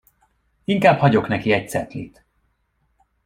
Inkább hagyok neki egy cetlit.